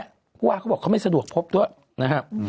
เพราะว่าเขาบอกเขาไม่สะดวกพบด้วยนะครับ